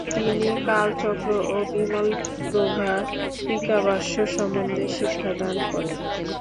তিনি কালচক্র ও বিমলপ্রভা টীকাভাষ্য সম্বন্ধে শিক্ষাদান করেন।